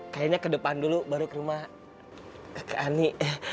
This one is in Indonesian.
kayaknya ke depan dulu baru ke rumah kakak ani